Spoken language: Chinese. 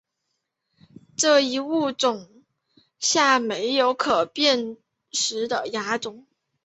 这一物种下没有可辨识的亚种。